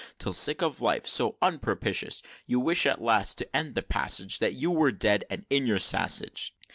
Till, sick of life so unpropitious, You wish at last, to end the passage, That you were dead, and in your sassage!"